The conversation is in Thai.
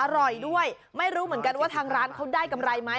อร่อยด้วยไม่รู้เหมือนกันว่าทางร้านเขาได้กำไรไหม